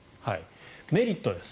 メリットです。